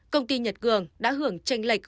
công ty nhật cường đã hưởng tranh lãnh